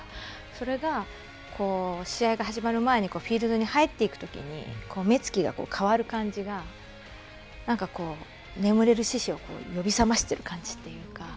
それが、試合が始まる前にフィールドに入っていく時に目つきが変わる感じがなんか眠れる獅子を呼び覚ましている感じというか。